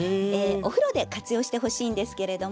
お風呂で活用してほしいんですけれども。